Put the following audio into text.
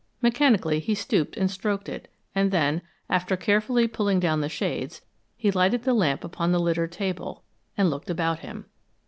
Mechanically he stooped and stroked it; then, after carefully pulling down the shades, he lighted the lamp upon the littered table, and looked about him.